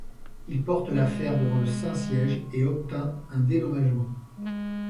Il porte l'affaire devant le Saint-Siège et obtint un dédommagement.